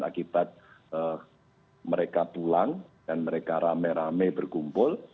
akibat mereka pulang dan mereka rame rame berkumpul